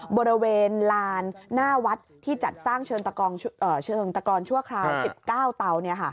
บริเวณลานหน้าวัดที่จัดสร้างเชิงตะกอนชั่วคราว๑๙เตา